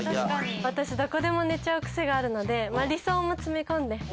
私どこでも寝ちゃう癖があるので理想も詰め込んで。